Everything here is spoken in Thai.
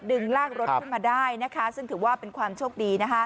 ลากรถขึ้นมาได้นะคะซึ่งถือว่าเป็นความโชคดี